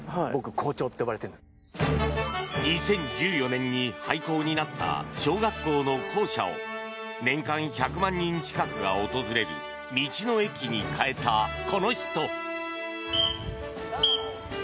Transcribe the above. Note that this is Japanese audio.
２０１４年に廃校になった小学校の校舎を年間１００万人近くが訪れる道の駅に変えた、この人！